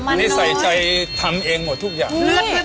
อันนี้ใส่ใจทำเองหมดทุกอย่าง